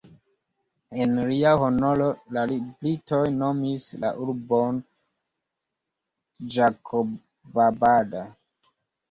En lia honoro, la britoj nomis la urbon Ĝakobabad.